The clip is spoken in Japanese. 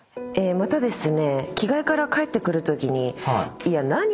またですね。